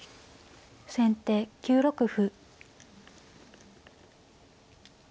先手９六歩。